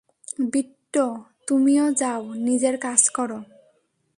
বিট্টো, তুমিও যাও, নিজের কাজ করো।